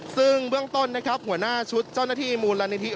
ซึ่งเบื้องต้นนะครับหัวหน้าชุดเจ้าหน้าที่มูลนิธิ